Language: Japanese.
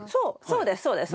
そうですそうです。